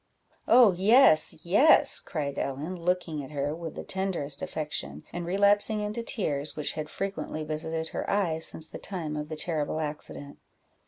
"Oh yes, yes!" cried Ellen, looking at her with the tenderest affection, and relapsing into tears, which had frequently visited her eyes since the time of the terrible accident.